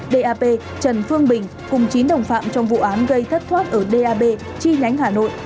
dap trần phương bình cùng chín đồng phạm trong vụ án gây thất thoát ở dap chi nhánh hà nội